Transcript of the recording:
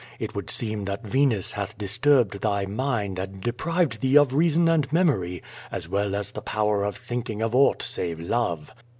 It would seem that Venus hath disturbed thy mind and deprived thee of reason and memory, as well as the power of thinking of aught save love.